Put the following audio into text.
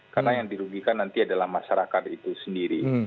karena yang dirugikan nanti adalah masyarakat itu sendiri